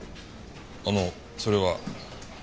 あのそれは。